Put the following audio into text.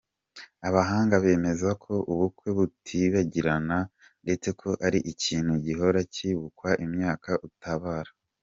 Abahanga bemeza ko ubukwe butibagirana ndetse ko ari ikintu gihora kibukwa imyaka utabara.